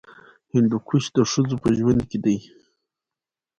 هندوکش د ښځو په ژوند کې دي.